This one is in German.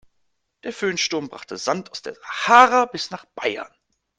Der Föhnsturm brachte Sand aus der Sahara bis nach Bayern.